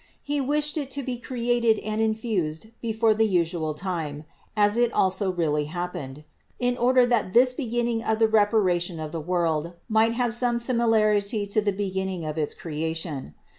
He wished it to be created and infused before the usual time, (as it also really happened), in order that this beginning of the reparation of the world might have some similarity to the beginning of its creation.